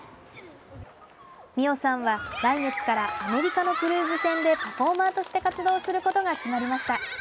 美青さんは、来月からアメリカのクルーズ船でパフォーマーとして活動することが決まりました。